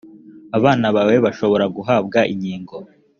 abana bawe bashobora guhabwa inkingo.